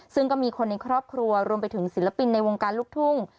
ซึ่งก็มีคนในครอบครัวรวมไปถึงศิลปินในวงการลูกทุ่ง